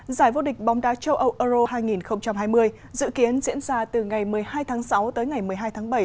giải vô địch bóng đá châu âu euro hai nghìn hai mươi dự kiến diễn ra từ ngày một mươi hai tháng sáu tới ngày một mươi hai tháng bảy